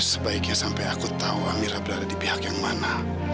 sebaiknya sampai aku tahu amira berada di pihak yang mana